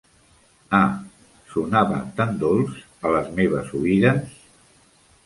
Ah, sonava tan dolç a les meves oïdes!